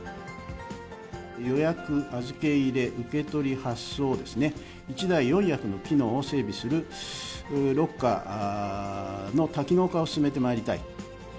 予約、預け入れ、受け取り、発送を、１台４役の機能を整備するロッカーの多機能化を進めてまいりたい。